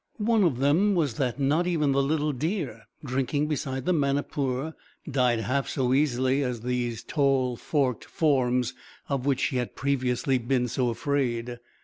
One of them was that not even the little deer, drinking beside the Manipur, died half so easily as these tall, forked forms of which she had previously been so afraid.